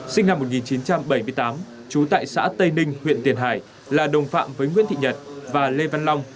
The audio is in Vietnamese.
sinh năm một nghìn chín trăm bảy mươi tám trú tại xã tây ninh huyện tiền hải là đồng phạm với nguyễn thị nhật và lê văn long